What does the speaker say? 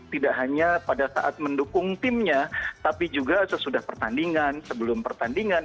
tidak hanya pada saat mendukung timnya tapi juga sesudah pertandingan sebelum pertandingan